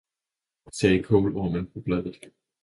sagde kålormen på bladet.